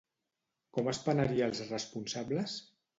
Com es penaria els responsables?